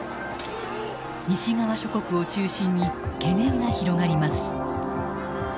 西側諸国を中心に懸念が広がります。